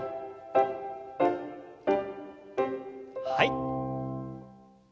はい。